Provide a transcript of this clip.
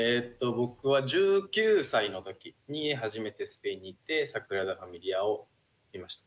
僕は１９歳の時に初めてスペインに行ってサグラダ・ファミリアを見ました。